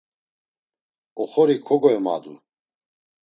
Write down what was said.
Oxori kogoyomadu.